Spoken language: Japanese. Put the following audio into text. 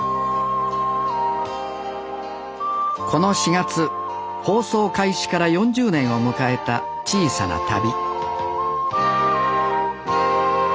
この４月放送開始から４０年を迎えた「小さな旅」